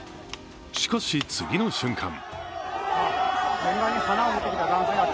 しかし、次の瞬間。